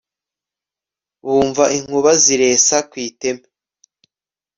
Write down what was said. bumva inkuba ziresa ku iteme